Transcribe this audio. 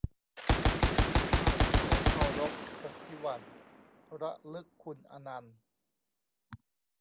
ข้าขอเคารพอภิวันท์ ระลึกคุณอนันต์